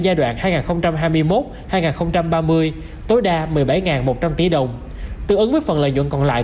giai đoạn hai nghìn hai mươi một hai nghìn ba mươi tối đa một mươi bảy một trăm linh tỷ đồng tương ứng với phần lợi nhuận còn lại